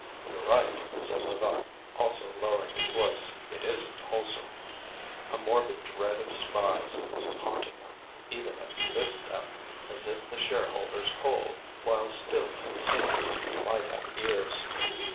"You're right," said Levaque, also lowering his voice; "it isn't wholesome." A morbid dread of spies haunted them, even at this depth, as if the shareholders' coal, while still in the seam, might have ears.